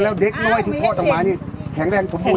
อ๋อแล้วเด็กน้อยที่พ่อจังหมานี่แข็งแรงสมบูรณ์